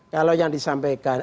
kalau yang disampaikan